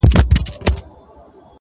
په سراب کي دي په زړه سوم لاس دي جارسم -